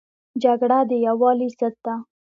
جګړه د یووالي ضد ده